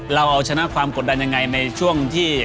เราเอาชนะความกดดันยังไงในช่วงที่